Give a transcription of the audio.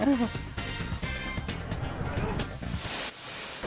ประโยชน์เมขศิลป์